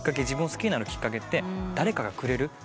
自分を好きになるきっかけって誰かがくれる。